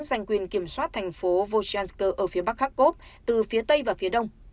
giành quyền kiểm soát thành phố vjanske ở phía bắc kharkov từ phía tây và phía đông